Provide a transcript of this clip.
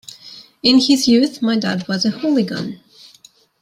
In his youth my dad was a hooligan.